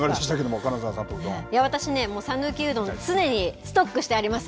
私、讃岐うどん常にストックしてあります。